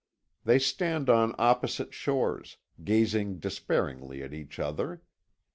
They stand on opposite shores, gazing despairingly at each other.